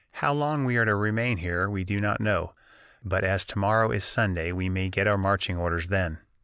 How long we are to remain here we do not know, but as to morrow is Sunday we may get our marching orders then!